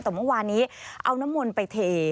แต่เมื่อวานนี้เอาน้ำมนต์ไปเท